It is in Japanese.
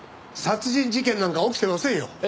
殺人事件なんか起きてませんよ。